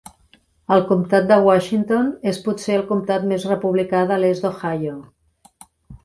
El comtat de Washington és potser el comtat més republicà de l'est d'Ohio.